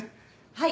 はい。